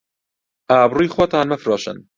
ئابڕووی خۆتان مەفرۆشن